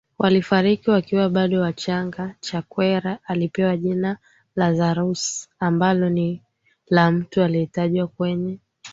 walifariki wakiwa bado wachangaChakwera alipewa jina Lazarus ambalo ni la mtu aliyetajwa kwenye